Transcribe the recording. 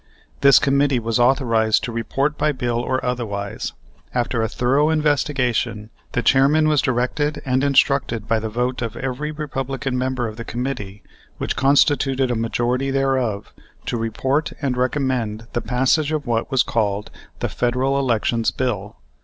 This committee was authorized to report by bill or otherwise. After a thorough investigation, the chairman was directed, and instructed by the vote of every Republican member of the committee, which constituted a majority thereof, to report and recommend the passage of what was called the Federal Elections Bill.